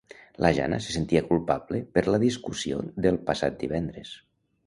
La Jana se sentia culpable per la discussió del passat divendres.